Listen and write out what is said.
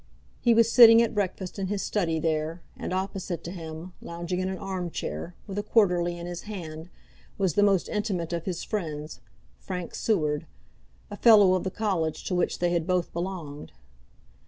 He was sitting at breakfast in his study there, and opposite to him, lounging in an arm chair, with a Quarterly in his hand, was the most intimate of his friends, Frank Seward, a fellow of the college to which they had both belonged.